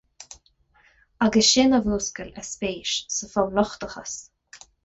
Agus sin a mhúscail a spéis sa Phoblachtachas.